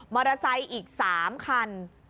มอเตอร์ไซค์อีก๓คัน